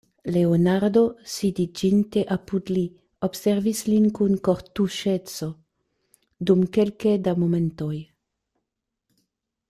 Leonardo, sidiĝinte apud li, observis lin kun kortuŝeco dum kelke da momentoj.